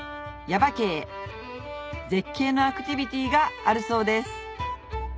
耶馬渓へ絶景のアクティビティがあるそうです